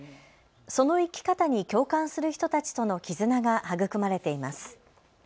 その生き方に共感する人たちとの絆が育まれています。